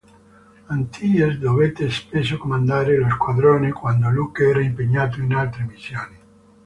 Antilles dovette spesso comandare lo squadrone quando Luke era impegnato in altre missioni.